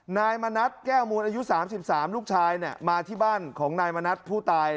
นายมณัฏแก้วมูลอายุสามสิบสามลูกชายเนี้ยมาที่บ้านของนายมณัฏผู้ตาย